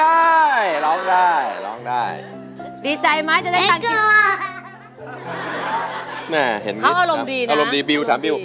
อารมณ์ดีนะ